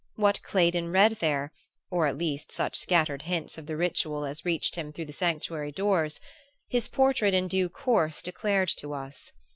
What Claydon read there or at least such scattered hints of the ritual as reached him through the sanctuary doors his portrait in due course declared to us.